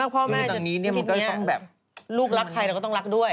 พ่อแม่ลูกรักใครเราก็ต้องรักด้วย